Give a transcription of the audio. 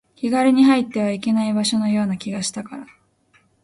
気軽に入ってはいけない場所のような気がしたから